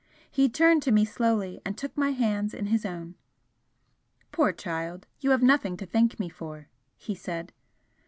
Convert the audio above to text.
He turned to me slowly and took my hands in his own. "Poor child, you have nothing to thank me for!" he said.